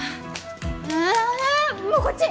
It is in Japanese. あもうこっち